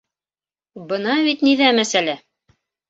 — Бына бит ниҙә мәсьәлә.